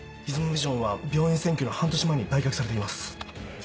ビジョンは病院占拠の半年前に売却されています。